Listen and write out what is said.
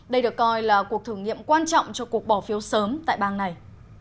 đây được coi là cuộc thử nghiệm quan trọng cho cuộc bỏ phiếu sớm tại bang này